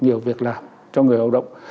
nhiều việc làm cho người lao động